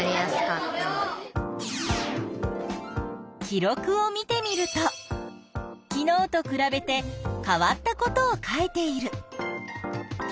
記録を見てみると昨日とくらべて変わったことを書いている。